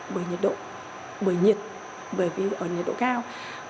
bởi nhiệt độ bởi nhiệt bởi vì ở nhiệt độ cao